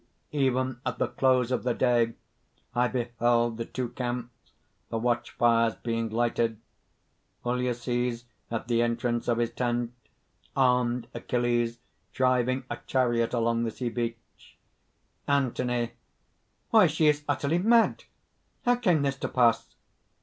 "Even at the close of the day I beheld the two camps, the watchfires being lighted, Ulysses at the entrance of his tent, armed Achilles driving a chariot along the sea beach." ANTHONY. "Why! she is utterly mad! How came this to pass?..."